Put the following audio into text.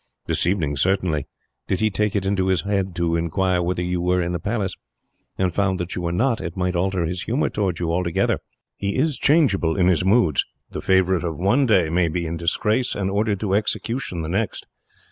"This evening, certainly. Did he take it into his head to inquire whether you were in the Palace, and found that you were not, it might alter his humour towards you altogether. He is changeable in his moods. The favourite of one day may be in disgrace, and ordered to execution, the next.